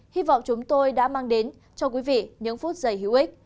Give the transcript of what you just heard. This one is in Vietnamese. hy vọng chúng tôi đã mang đến cho quý vị những phút dày hữu ích